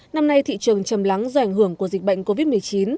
năm nay thị trường chầm lắng do ảnh hưởng của dịch bệnh covid một mươi chín